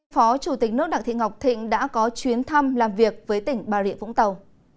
phó chủ tịch nước đặng thị ngọc thịnh đã có chuyến thăm làm việc với tỉnh bà rịa vũng tàu